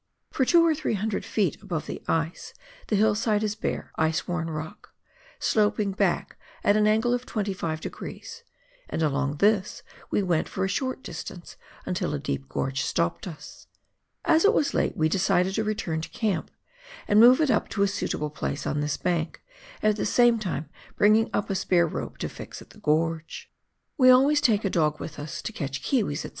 For two or three hundred feet above the ice, the hillside is bare, ice worn rock, sloping back at an angle of 25 degrees, and along this we went for a short distance, until a deep gorge stopped us. As it was late we decided to return to camp and move it up to a suitable place on this bank, at the same time bringing up a spare rope to fix at the gorge. "We always take a dog with us, to catch kiwis, &c.